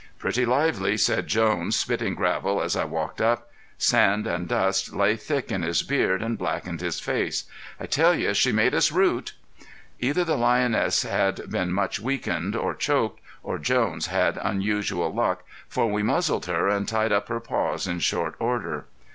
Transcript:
"Pretty lively," said Jones, spitting gravel as I walked up. Sand and dust lay thick in his beard and blackened his face. "I tell you she made us root." Either the lioness had been much weakened or choked, or Jones had unusual luck, for we muzzled her and tied up her paws in short order.